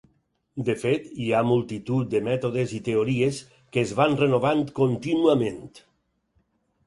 De fet, hi ha multitud de mètodes i teories que es van renovant contínuament.